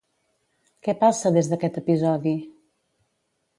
Què passa des d'aquest episodi?